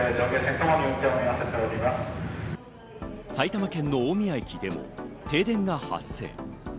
埼玉県の大宮駅でも停電が発生。